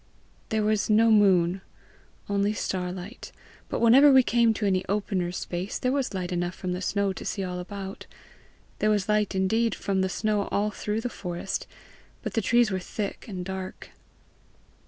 "There was no moon only star light; but whenever we came to any opener space, there was light enough from the snow to see all about; there was light indeed from the snow all through the forest, but the trees were thick and dark.